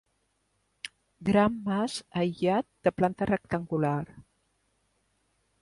Gran mas aïllat, de planta rectangular.